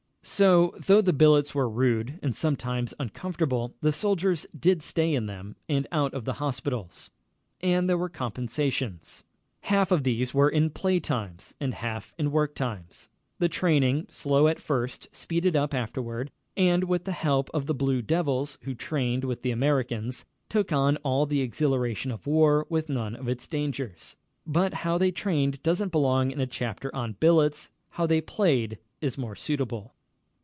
So, though the billets were rude and sometimes uncomfortable, the soldiers did stay in them and out of the hospitals. And there were compensations. Half of these were in play times, and half in work times. The training, slow at first, speeded up afterward and, with the help of the "Blue Devils" who trained with the Americans, took on all the exhilaration of war with none of its dangers. But how they trained doesn't belong in a chapter on billets. How they played is more suitable.